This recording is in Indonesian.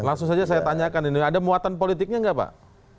langsung saja saya tanyakan ini ada muatan politiknya nggak pak